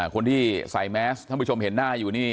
คนที่ใส่แมสท่านผู้ชมเห็นหน้าอยู่นี่